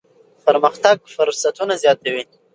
پرمختګ فرصتونه زیاتوي.